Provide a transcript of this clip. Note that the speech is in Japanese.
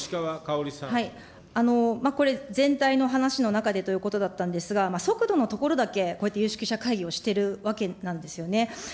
これ、全体の話の中でということだったんですが、速度のところだけ、こうやって有識者会議をしているわけなんですよね。